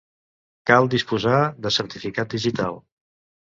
Cal disposar de certificat digital.